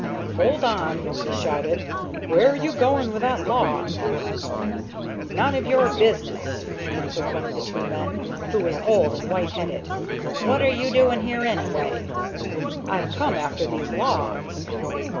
"Hold on!" he shouted. "Where are you going with that log?" "None of your business!" answered one of the two men, who was old and white headed. "What are you doing here, anyway?" "I've come after these logs."